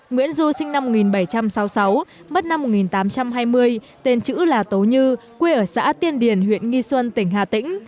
nguyễn du sinh năm một nghìn bảy trăm sáu mươi sáu mất năm một nghìn tám trăm hai mươi tên chữ là tố như quê ở xã tiên điển huyện nghi xuân tỉnh hà tĩnh